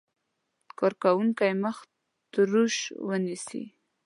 کارکوونکی مخ تروش ونیسي.